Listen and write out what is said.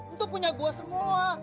itu punya gue semua